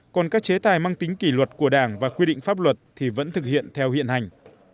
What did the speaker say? còn các chế tài mang tính kỷ luật của đảng và quy định pháp luật thì vẫn thực hiện theo hiện hành